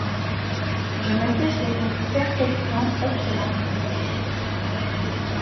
Je me fiche de vos perfections, excellences et qualités.